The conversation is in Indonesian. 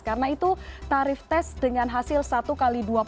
karena itu tarif tes dengan hasil satu x dua